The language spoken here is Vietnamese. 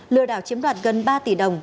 lừa đảo chiếm đoạt gần ba tỷ đồng